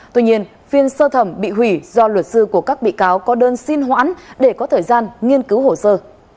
tuy nhiên phiên sơ thẩm bị hủy do luật sư của các bị cáo có đơn xin hoãn để có thời gian nghiên cứu hồ sơ